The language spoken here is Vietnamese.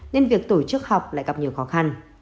nên việc tổ chức học lại gặp nhiều khó khăn